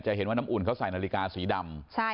เห็นว่าน้ำอุ่นเขาใส่นาฬิกาสีดำ